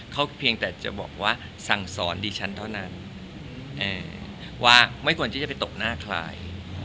เขาเพียงแต่จะบอกว่าสั่งสอนดิฉันเท่านั้นว่าไม่ควรที่จะไปตบหน้าใคร